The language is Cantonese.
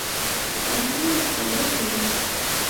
噉聽日，同樣時間